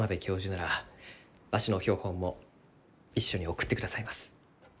ならわしの標本も一緒に送ってくださいます。